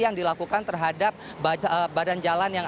yang dilakukan terhadap badan jalan